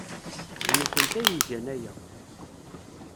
D nekkenti ay igan aya.